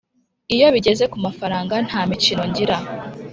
Iyo bigeze ku mafaranga nta mikino ngira